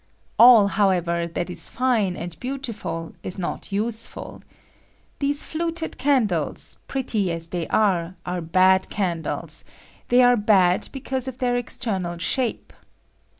All, however, that is fine and beautiful ia not useful. These fluted candles, pretty as they are, are bad candles ; they are bad because of their external shape.